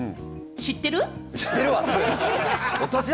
知ってるわ！